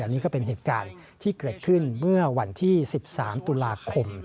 นี่ก็เป็นเหตุการณ์ที่เกิดขึ้นเมื่อวันที่๑๓ตุลาคม